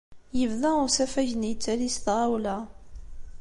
Yebda usafag-nni yettali s tɣawla.